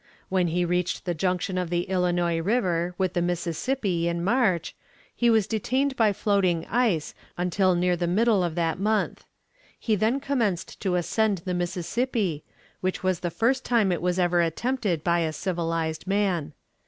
When he reached the junction of the Illinois river with the Mississippi in March, he was detained by floating ice until near the middle of that month. He then commenced to ascend the Mississippi, which was the first time it was ever attempted by a civilized man.